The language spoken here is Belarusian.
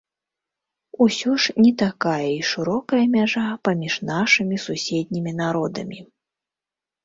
Усё ж не такая і шырокая мяжа паміж нашымі суседнімі народамі.